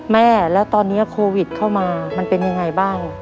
แม่แล้วตอนนี้โควิดเข้ามามันเป็นยังไงบ้าง